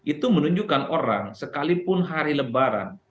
itu menunjukkan orang sekalipun hari lebaran